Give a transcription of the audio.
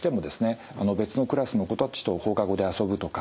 別のクラスの子たちと放課後で遊ぶとか。